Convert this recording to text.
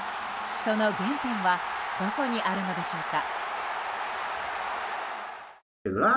その原点はどこにあるのでしょうか？